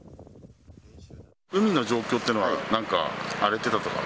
海の状況というのは、なんか荒れてたとか。